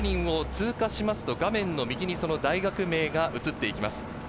１０人通過しますと画面の右に大学名が映っていきます。